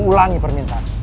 ku ulangi permintaan